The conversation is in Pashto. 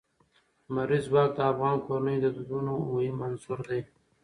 لمریز ځواک د افغان کورنیو د دودونو مهم عنصر دی.